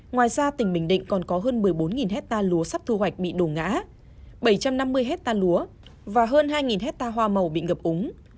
ngoài ra tỉnh bình định còn có hơn một mươi bốn hectare lúa sắp thu hoạch bị đổ ngã bảy trăm năm mươi hectare lúa và hơn hai hectare hoa màu bị ngập úng